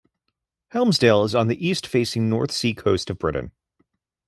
Helmsdale is on the east-facing North Sea coast of Britain.